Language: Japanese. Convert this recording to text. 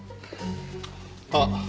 あっ！